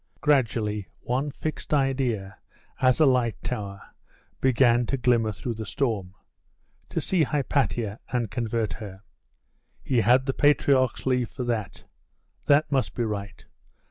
Gradually one fixed idea, as a light tower, began to glimmer through the storm.... To see Hypatia, and convert her. He had the patriarch's leave for that. That must be right.